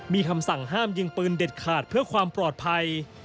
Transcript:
มีคำสั่งห้ามยิงปืนเด็ดขาดเพื่อความปลอดภัย